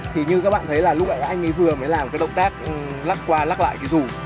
thì như các bạn thấy là lúc này anh ấy vừa mới làm cái động tác lắc qua lắc lại cái dù